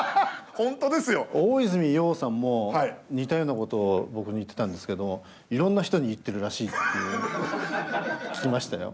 大泉洋さんも似たようなことを僕に言ってたんですけどいろんな人に言ってるらしいって聞きましたよ。